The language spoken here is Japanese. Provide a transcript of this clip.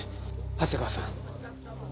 長谷川さん